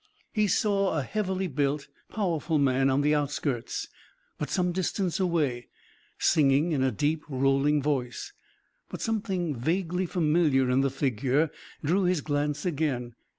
He saw a heavily built, powerful man on the outskirts, but some distance away, singing in a deep rolling voice, but something vaguely familiar in the figure drew his glance again.